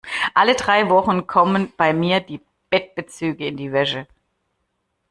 Alle drei Wochen kommen bei mir die Bettbezüge in die Wäsche.